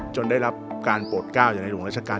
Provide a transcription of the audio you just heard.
จนได้รับการโปรดเก้าอย่างรุ่งราชกาล